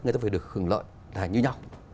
người ta phải được hưởng lợi như nhau